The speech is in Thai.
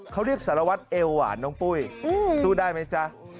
เขาเรียกสารวัตรเอวหวานน้องปุ้ยสู้ได้ไหมจ๊ะ